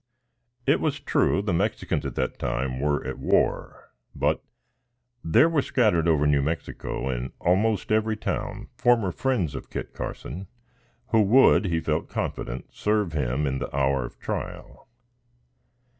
It was true, the Mexicans at that time were at war; but, there were scattered over New Mexico, in almost every town, former friends of Kit Carson, who would, he felt confident, serve him in the hour of trial.